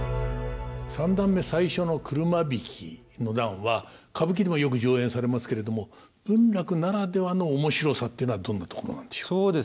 三段目最初の「車曳の段」は歌舞伎でもよく上演されますけれども文楽ならではの面白さっていうのはどんなところなんでしょう？